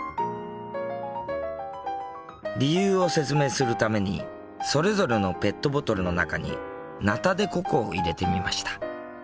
理由を説明するためにそれぞれのペットボトルの中にナタデココを入れてみました。